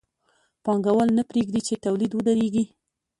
پانګوال نه پرېږدي چې تولید ودرېږي